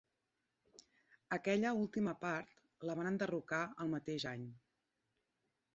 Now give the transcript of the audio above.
Aquella última part la van enderrocar el mateix any.